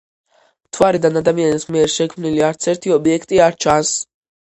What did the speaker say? მთვარიდან ადამიანის მიერ შექმნილი არც ერთი ობიექტი არ ჩანს.